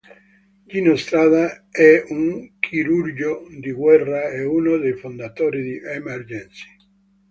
Gino Strada è un chirurgo di guerra e uno dei fondatori di Emergency.